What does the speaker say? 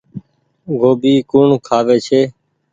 گوڀي ڪوڻ کآوي ڇي۔